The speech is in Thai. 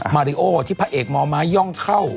มาริโอที่พระเอกมไม้ย่องเข้า